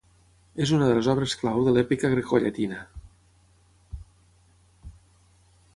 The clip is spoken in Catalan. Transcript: És una de les obres clau de l'èpica grecollatina.